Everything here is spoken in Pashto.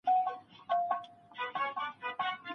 شپې چي مي په صبر سپینولې اوس یې نه لرم